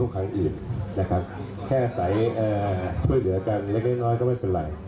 แค่ใส่ช่วยเหลือกันเล็กน้อยก็ไม่เป็นไร